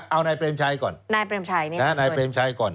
เอานายเปรมชัยก่อนนายเปรมชัย